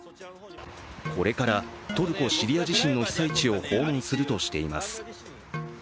これからトルコ・シリア地震の被災地を訪問するとしています。